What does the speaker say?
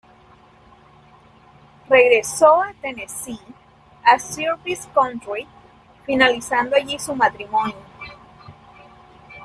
Regresó a Tennessee, a Sevier County, finalizando allí su matrimonio.